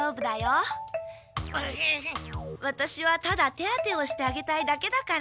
ワタシはただ手当てをしてあげたいだけだから。